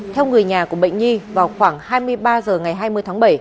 theo người nhà của bệnh nhi vào khoảng hai mươi ba h ngày hai mươi tháng bảy